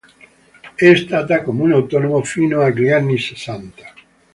È stata comune autonomo fino agli anni sessanta.